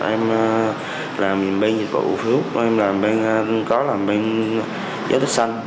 em làm bên dịch vụ facebook em làm bên có làm bên giới tích xanh